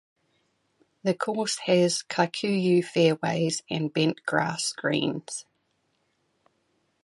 The course has Kikuyu fairways and Bentgrass greens.